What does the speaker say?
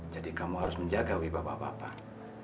jadi kamu harus menjaga wibah bapak bapak